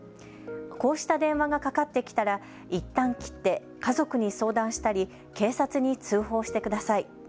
こうした電話がかかってきたらいったん切って家族に相談したり警察に通報してください。